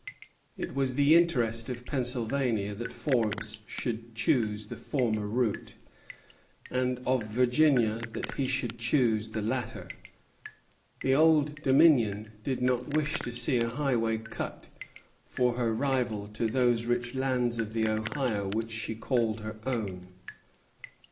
It was the interest of Pennsylvania that Forbes should choose the former route, and of Virginia that he should choose the latter. The Old Dominion did not wish to see a highway cut for her rival to those rich lands of the Ohio which she called her own.